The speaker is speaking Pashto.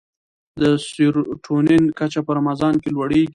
د سیرټونین کچه په رمضان کې لوړېږي.